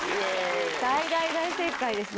大大大正解ですね。